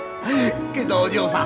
けどお嬢さん